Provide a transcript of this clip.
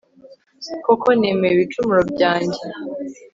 koko nemeye ibicumuro byanjye